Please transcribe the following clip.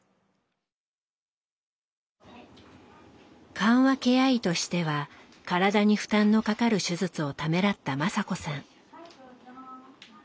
緩和ケア医としては体に負担のかかる手術をためらった雅子さん。